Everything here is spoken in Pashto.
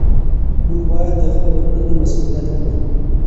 موږ باید د خپلو کړنو مسؤلیت ومنو.